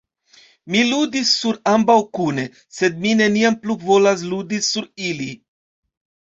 Mi ludis sur ambaŭ kune; sed mi neniam plu volas ludi sur ili.